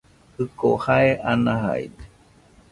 Jiko jae ana jaide.